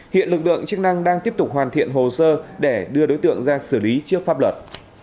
hiện lực lượng chức năng đang tiếp tục hoàn thiện hồ sơ để đưa đối tượng ra xử lý trước pháp luật